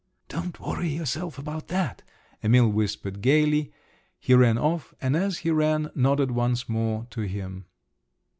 "Don't worry yourself about that!" Emil whispered gaily; he ran off, and as he ran nodded once more to him.